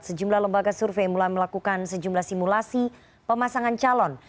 sejumlah lembaga survei mulai melakukan sejumlah simulasi pemasangan calon